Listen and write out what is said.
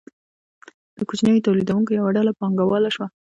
د کوچنیو تولیدونکو یوه ډله پانګواله شوه.